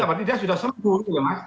berarti dia sudah sembuh gitu loh mas